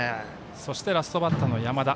そしてラストバッター山田。